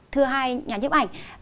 thưa hai nhà nhiếp ảnh